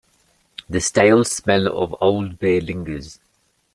The stale smell of old beer lingers.